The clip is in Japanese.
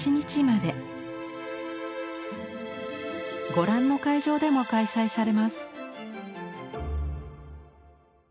ご覧の会場でも開催されます。